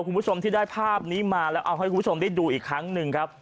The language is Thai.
คุณผู้ชมที่ได้ภาพนี้มาแล้วเอาให้คุณผู้ชมได้ดูอีกครั้งหนึ่งครับ